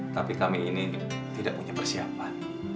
tapi kami ini tidak punya persiapan